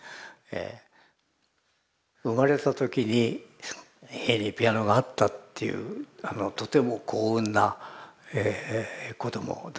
生まれた時に家にピアノがあったっていうとても幸運な子供だったわけです。